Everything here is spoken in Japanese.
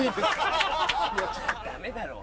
ダメだろ。